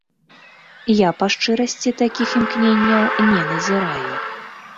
Я, па шчырасці, такіх імкненняў не назіраю.